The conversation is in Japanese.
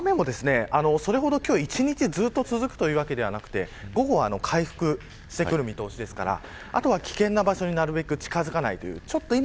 雨もそれほど１日ずっと続くというわけではなくて午後は回復してくる見通しですから後は危険な場所になるべく近づかない。